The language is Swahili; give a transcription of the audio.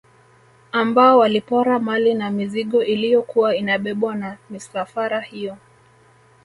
Ambao walipora mali na mizigo iliyokuwa inabebwa na misafara hiyo